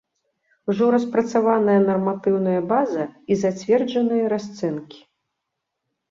Ужо распрацаваная нарматыўная база і зацверджаныя расцэнкі.